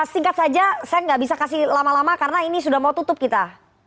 singkat saja saya nggak bisa kasih lama lama karena ini sudah mau tutup kita